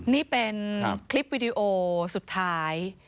นี่เป็นคลิปวิดีโอสุดท้าย